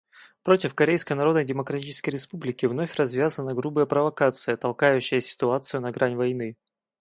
Против Корейской Народно-Демократической Республики вновь развязана грубая провокация, толкающая ситуацию на грань войны.